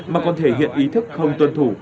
mà còn thể hiện ý thức không tuân thủ